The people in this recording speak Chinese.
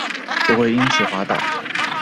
不会因此滑倒